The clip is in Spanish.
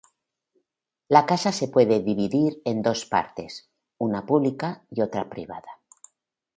La casa se puede dividir en dos partes, una pública y otra privada.